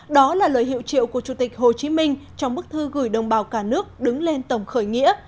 đó là lời hiệu triệu của chủ tịch hồ chí minh trong bức thư gửi đồng bào cả nước đứng lên tổng khởi nghĩa